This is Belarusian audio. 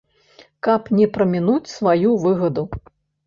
Каб не прамінуць сваю выгаду.